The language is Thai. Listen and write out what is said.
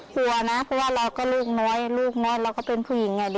กลัวนะเพราะว่าเราก็ลูกน้อยลูกน้อยเราก็เป็นผู้หญิงไง